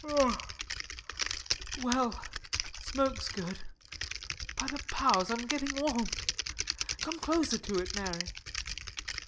Well, smoke's good by the powers, I'm getting warm come closer to it, Mary.